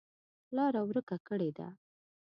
لاره ورکه کړې ده.